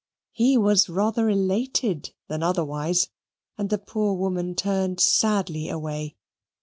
He was rather elated than otherwise, and the poor woman turned sadly away.